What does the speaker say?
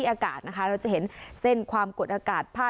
โดยการติดต่อไปก็จะเกิดขึ้นการติดต่อไป